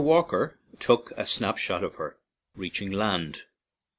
Walker took a snap shot of her, reaching land.